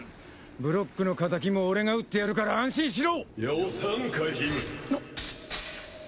ブロックの敵も俺が討ってやるから安心しろ！よさんかヒム。